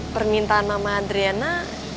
permintaan mama adriana